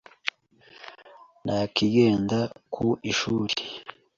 ntakigenda ku ishuri.